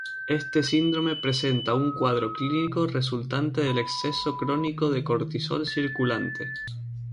Este síndrome presenta un cuadro clínico resultante del exceso crónico de cortisol circulante.